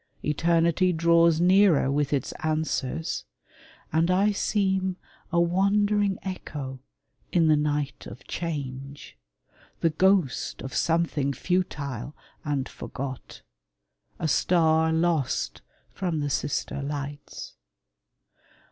Eternity Draws nearer with its answers, and I seem A wandering echo in the night of Change, The ghost of something futile and forgot, A star lost from the sister lights.